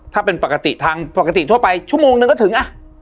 ถ้าเป็นปกติทางปกติทั่วไปชั่วโมงนึงก็ถึงอ่ะ